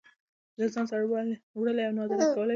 له ځان سره وړلی او نادرکه کولی شي